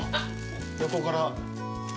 横から。